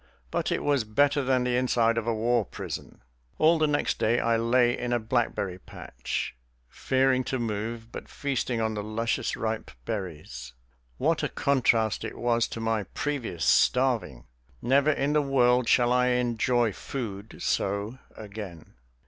But it was better than the inside of a war prison. All the next day I lay in a blackberry patch, fearing to move, but feasting on the luscious, ripe berries. What a contrast it was to my previous starving! Never in this world shall I enjoy food so again.